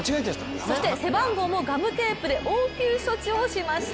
そして背番号もガムテープで応急処置をしました。